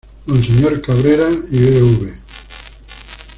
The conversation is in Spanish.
Monseñor Cabrera y Bv.